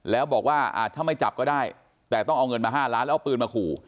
แล้วบอกว่าถ้าไม่จับก็ได้แต่ต้องเอาเงินมา๕ล้านแล้วเอาปืนมาขู่